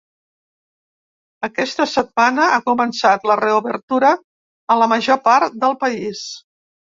Aquesta setmana ha començat la reobertura a la major part del país.